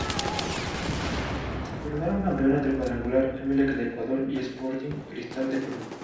Se coronaron campeones del cuadrangular Emelec de Ecuador y Sporting Cristal de Perú.